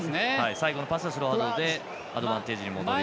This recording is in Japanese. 最後のパスがスローフォワードでアドバンテージですね。